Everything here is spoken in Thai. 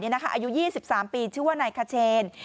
อายุ๒๓ปีชื่อว่านายคเชน